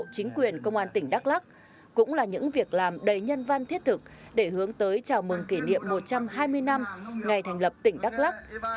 chính quyền công an tỉnh đắk lắc cũng là những việc làm đầy nhân văn thiết thực để hướng tới chào mừng kỷ niệm một trăm hai mươi năm ngày thành lập tỉnh đắk lắc